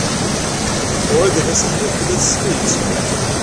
Wrida Tasaḥlit tella tessen-itt.